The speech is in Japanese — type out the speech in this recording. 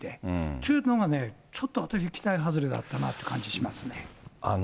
そういうのがちょっと私、期待外れだったなという感じしますね。